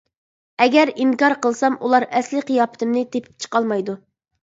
ئەگەر ئىنكار قىلسام ئۇلار ئەسلى قىياپىتىمنى تېپىپ چىقالمايدۇ.